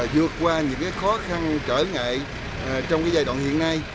vượt qua những khó khăn trở ngại trong giai đoạn hiện nay